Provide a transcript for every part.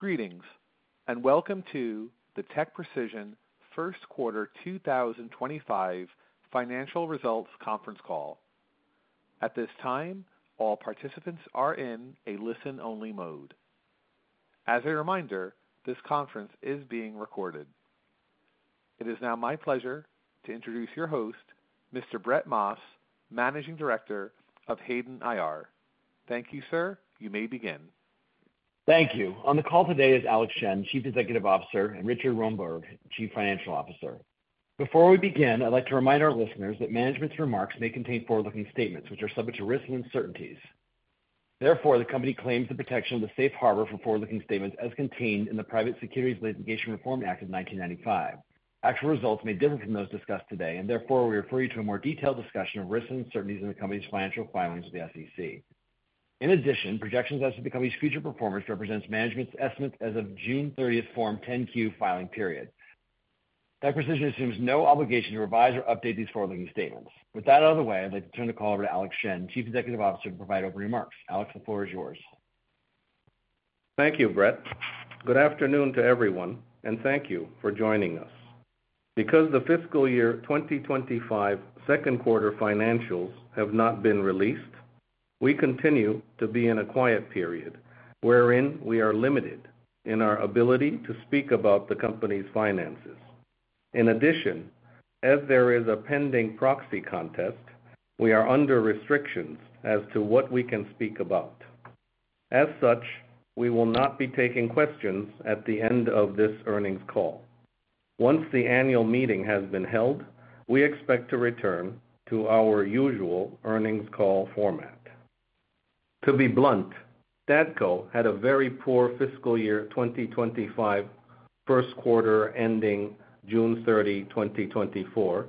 Greetings, and welcome to the TechPrecision First Quarter 2025 Financial Results Conference Call. At this time, all participants are in a listen-only mode. As a reminder, this conference is being recorded. It is now my pleasure to introduce your host, Mr. Brett Maas, Managing Director of Hayden IR. Thank you, sir. You may begin. Thank you. On the call today is Alex Shen, Chief Executive Officer, and Richard Roomberg, Chief Financial Officer. Before we begin, I'd like to remind our listeners that management's remarks may contain forward-looking statements, which are subject to risks and uncertainties. Therefore, the company claims the protection of the safe harbor for forward-looking statements as contained in the Private Securities Litigation Reform Act of 1995. Actual results may differ from those discussed today, and therefore we refer you to a more detailed discussion of risks and uncertainties in the company's financial filings with the SEC. In addition, projections as to the company's future performance represent management's estimates as of June 30th, Form 10-Q filing period. TechPrecision assumes no obligation to revise or update these forward-looking statements. With that out of the way, I'd like to turn the call over to Alex Shen, Chief Executive Officer, to provide opening remarks. Alex, the floor is yours. Thank you, Brett. Good afternoon to everyone, and thank you for joining us. Because the fiscal year 2025 second quarter financials have not been released, we continue to be in a quiet period wherein we are limited in our ability to speak about the company's finances. In addition, as there is a pending proxy contest, we are under restrictions as to what we can speak about. As such, we will not be taking questions at the end of this earnings call. Once the annual meeting has been held, we expect to return to our usual earnings call format. To be blunt, Stadco had a very poor fiscal year 2025 first quarter ending June 30, 2024,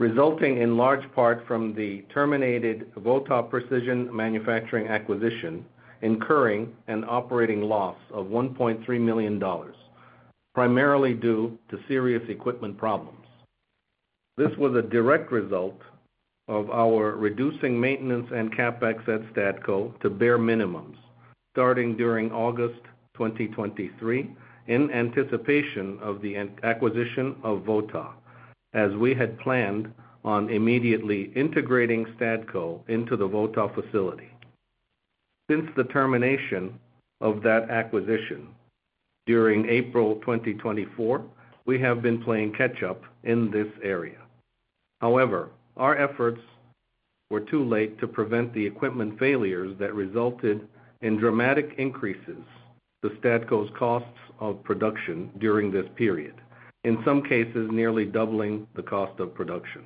resulting in large part from the terminated Votaw Precision Manufacturing acquisition, incurring an operating loss of $1.3 million, primarily due to serious equipment problems. This was a direct result of our reducing maintenance and CapEx at Stadco to bare minimums starting during August 2023 in anticipation of the acquisition of Votaw, as we had planned on immediately integrating Stadco into the Votaw facility. Since the termination of that acquisition during April 2024, we have been playing catch-up in this area. However, our efforts were too late to prevent the equipment failures that resulted in dramatic increases to Stadco's costs of production during this period, in some cases nearly doubling the cost of production.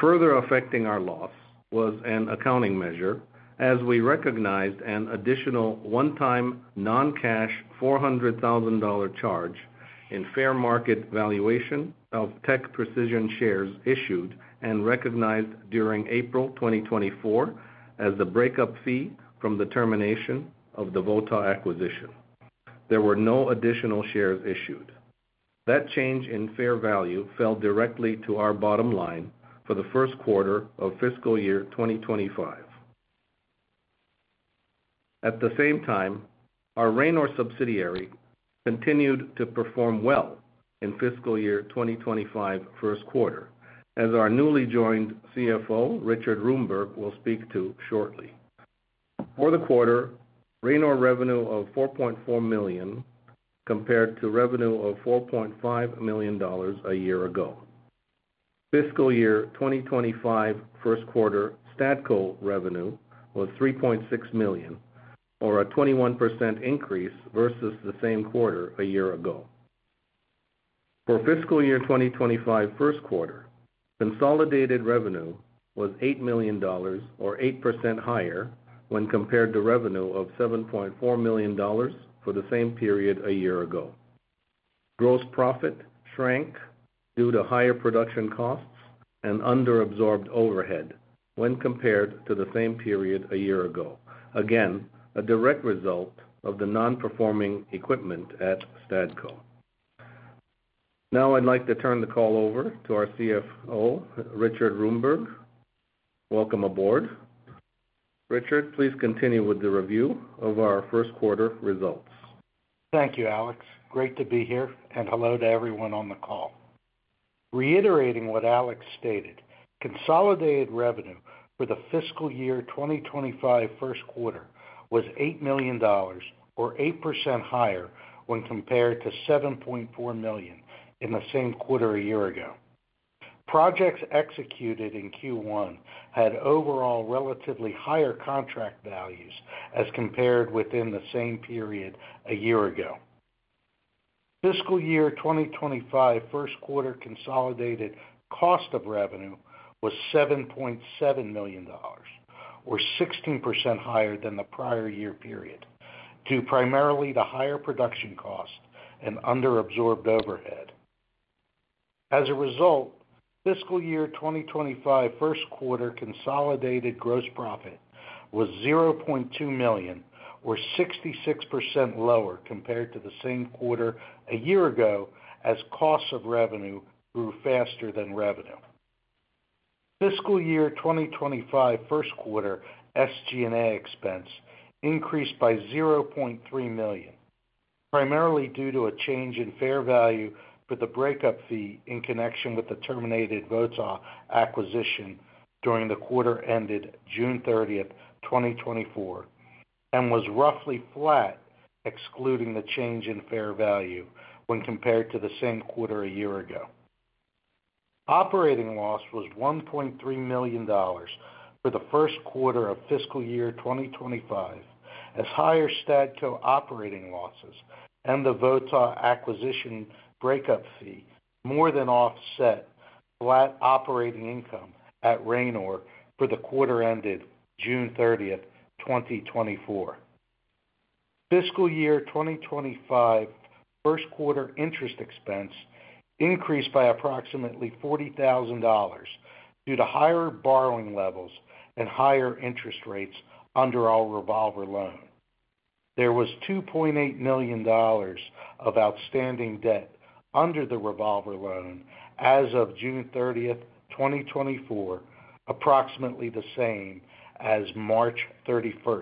Further affecting our loss was an accounting measure, as we recognized an additional one-time non-cash $400,000 charge in fair market valuation of TechPrecision shares issued and recognized during April 2024 as the breakup fee from the termination of the Votaw acquisition. There were no additional shares issued. That change in fair value fell directly to our bottom line for the first quarter of fiscal year 2025. At the same time, our Ranor subsidiary continued to perform well in fiscal year 2025 first quarter, as our newly joined CFO, Richard Roomberg, will speak to shortly. For the quarter, Ranor revenue of $4.4 million compared to revenue of $4.5 million a year ago. Fiscal year 2025 first quarter Stadco revenue was $3.6 million, or a 21% increase versus the same quarter a year ago. For fiscal year 2025 first quarter, consolidated revenue was $8 million, or 8% higher, when compared to revenue of $7.4 million for the same period a year ago. Gross profit shrank due to higher production costs and under-absorbed overhead when compared to the same period a year ago, again a direct result of the non-performing equipment at Stadco. Now I'd like to turn the call over to our CFO, Richard Roomberg. Welcome aboard. Richard, please continue with the review of our first quarter results. Thank you, Alex. Great to be here, and hello to everyone on the call. Reiterating what Alex stated, consolidated revenue for the fiscal year 2025 first quarter was $8 million, or 8% higher, when compared to $7.4 million in the same quarter a year ago. Projects executed in Q1 had overall relatively higher contract values as compared within the same period a year ago. Fiscal year 2025 first quarter consolidated cost of revenue was $7.7 million, or 16% higher than the prior year period, due primarily to higher production costs and under-absorbed overhead. As a result, fiscal year 2025 first quarter consolidated gross profit was $0.2 million, or 66% lower compared to the same quarter a year ago as costs of revenue grew faster than revenue. Fiscal year 2025 first quarter SG&A expense increased by $0.3 million, primarily due to a change in fair value for the breakup fee in connection with the terminated Votaw acquisition during the quarter ended June 30, 2024, and was roughly flat, excluding the change in fair value when compared to the same quarter a year ago. Operating loss was $1.3 million for the first quarter of fiscal year 2025, as higher Stadco operating losses and the Votaw acquisition breakup fee more than offset flat operating income at Ranor for the quarter ended June 30, 2024. Fiscal year 2025 first quarter interest expense increased by approximately $40,000 due to higher borrowing levels and higher interest rates under our revolver loan. There was $2.8 million of outstanding debt under the revolver loan as of June 30, 2024, approximately the same as March 31,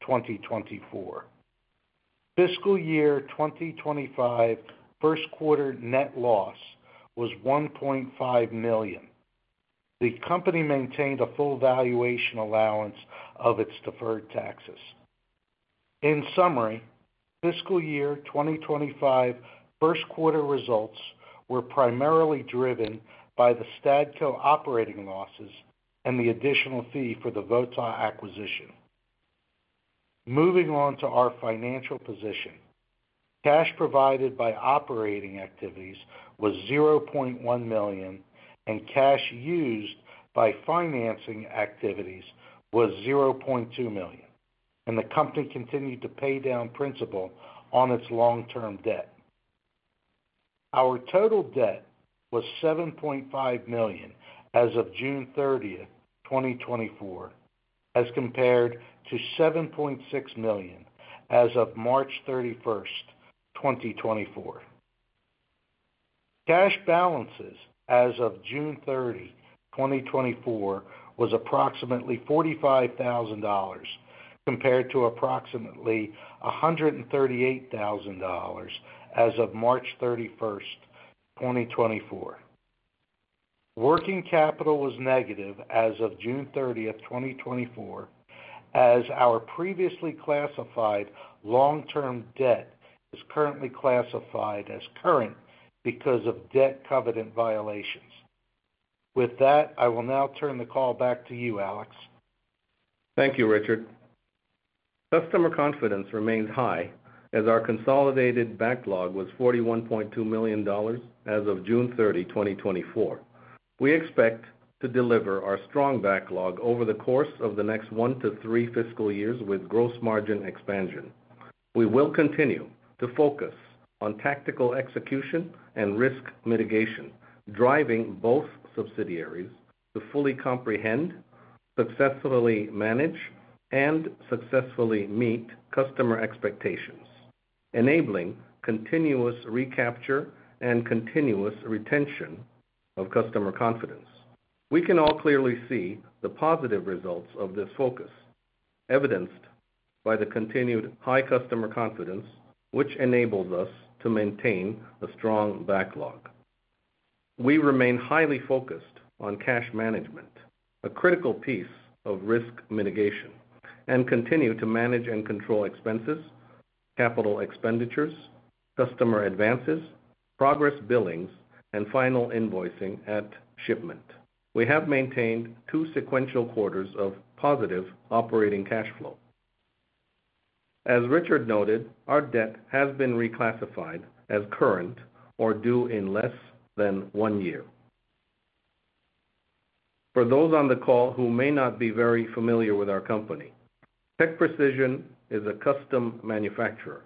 2024. Fiscal year 2025 first quarter net loss was $1.5 million. The company maintained a full valuation allowance of its deferred taxes. In summary, fiscal year 2025 first quarter results were primarily driven by the Stadco operating losses and the additional fee for the Votaw acquisition. Moving on to our financial position, cash provided by operating activities was $0.1 million, and cash used by financing activities was $0.2 million, and the company continued to pay down principal on its long-term debt. Our total debt was $7.5 million as of June 30, 2024, as compared to $7.6 million as of March 31, 2024. Cash balances as of June 30, 2024, was approximately $45,000 compared to approximately $138,000 as of March 31, 2024. Working capital was negative as of June 30, 2024, as our previously classified long-term debt is currently classified as current because of debt covenant violations. With that, I will now turn the call back to you, Alex. Thank you, Richard. Customer confidence remains high, as our consolidated backlog was $41.2 million as of June 30, 2024. We expect to deliver our strong backlog over the course of the next one to three fiscal years with gross margin expansion. We will continue to focus on tactical execution and risk mitigation, driving both subsidiaries to fully comprehend, successfully manage, and successfully meet customer expectations, enabling continuous recapture and continuous retention of customer confidence. We can all clearly see the positive results of this focus, evidenced by the continued high customer confidence, which enables us to maintain a strong backlog. We remain highly focused on cash management, a critical piece of risk mitigation, and continue to manage and control expenses, capital expenditures, customer advances, progress billings, and final invoicing at shipment. We have maintained two sequential quarters of positive operating cash flow. As Richard noted, our debt has been reclassified as current or due in less than one year. For those on the call who may not be very familiar with our company, TechPrecision is a custom manufacturer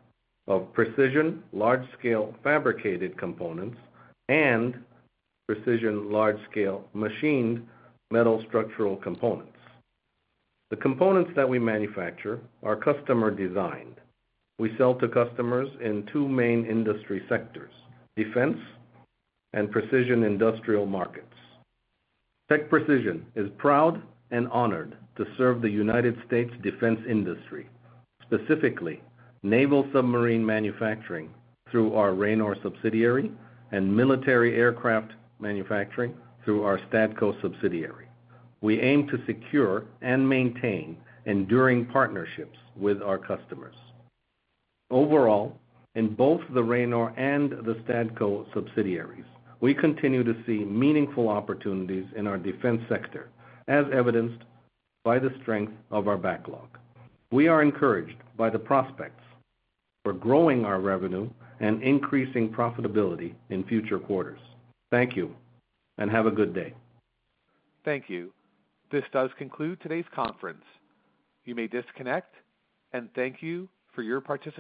of precision large-scale fabricated components and precision large-scale machined metal structural components. The components that we manufacture are customer designed. We sell to customers in two main industry sectors: defense and precision industrial markets. TechPrecision is proud and honored to serve the United States defense industry, specifically naval submarine manufacturing through our Ranor subsidiary and military aircraft manufacturing through our Stadco subsidiary. We aim to secure and maintain enduring partnerships with our customers. Overall, in both the Ranor and the Stadco subsidiaries, we continue to see meaningful opportunities in our defense sector, as evidenced by the strength of our backlog. We are encouraged by the prospects for growing our revenue and increasing profitability in future quarters. Thank you, and have a good day. Thank you. This does conclude today's conference. You may disconnect, and thank you for your participation.